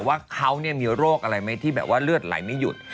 ว่าเขามีโรคอะไรไหมที่แบบว่าเลือดไหลไม่หยุด